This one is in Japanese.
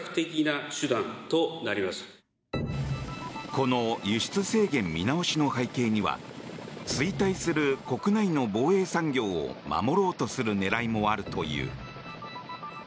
この輸出制限見直しの背景には衰退する国内の防衛産業を守ろうとする狙いもあるという。